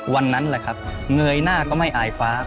วันนั้นแหละครับเงยหน้าก็ไม่อายฟ้า